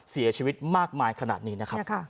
เสียชีวิตมากมายขนาดนี้นะครับ